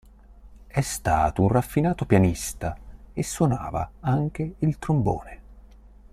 È stato un raffinato pianista e suonava anche il trombone.